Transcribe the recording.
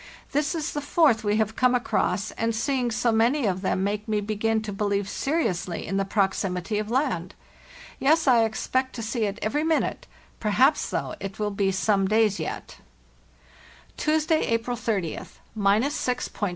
This is the fourth we have come across, and seeing so many of them make me begin to believe seriously in the proximity of land. Yes, I ex A HARD STRUGGLE 193 pect to see it every minute; perhaps, though, it will be some days yet." pelnesday supmlesoth..